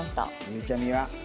ゆうちゃみは？